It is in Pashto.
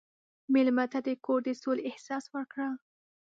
مېلمه ته د کور د سولې احساس ورکړه.